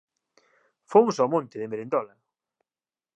Fomos ó monte de merendola.